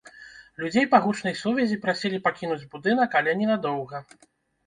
Людзей па гучнай сувязі прасілі пакінуць будынак, але ненадоўга.